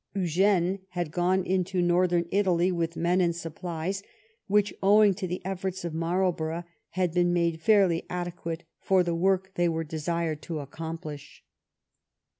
Eugene had gone into northern Italy with men and supplies, which, owing to the efforts of Marlborough, had been made fairly adequate for the work they were desired to accomplish.